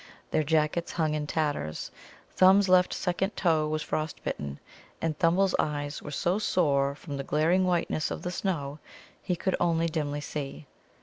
Their jackets hung in tatters. Thumb's left second toe was frost bitten, and Thimble's eyes were so sore from the glaring whiteness of the snow he could only dimly see.